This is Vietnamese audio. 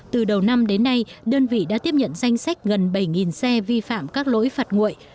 từ đầu năm đến nay đơn vị đã tiếp nhận danh sách gần bảy xe vi phạm các lỗi phạt nguội